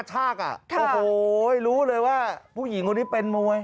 โอ้โหรู้เลยว่าผู้หญิงคนนี้เป็นมวย